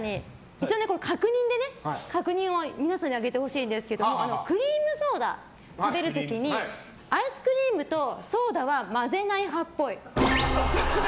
一応確認で皆さんに上げてほしいんですけどクリームソーダ食べる時にアイスクリームとソーダは混ぜない派っぽい。